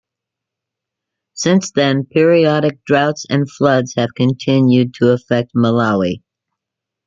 Since then, periodic droughts and floods have continued to affect Malawi.